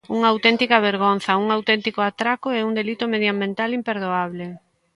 Unha auténtica vergonza, un auténtico atraco e un delito medioambiental imperdoable.